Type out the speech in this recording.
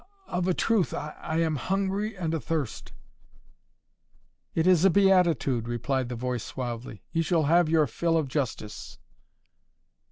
"Of a truth, I am hungry and a thirst." "It is a beatitude," replied the voice suavely. "You shall have your fill of justice."